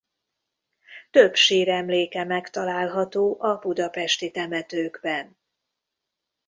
Több síremléke megtalálható a budapesti temetőkben.